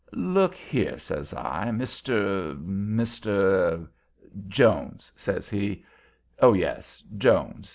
"Look here," says I, "Mr. Mr. " "Jones," says he. "Oh, yes Jones.